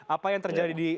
apa yang terjadi di